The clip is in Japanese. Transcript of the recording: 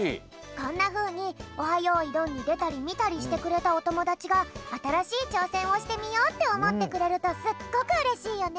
こんなふうに「オハ！よいどん」にでたりみたりしてくれたおともだちがあたらしいちょうせんをしてみようっておもってくれるとすっごくうれしいよね！